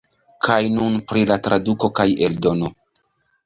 Kaj nun pri la traduko kaj eldono.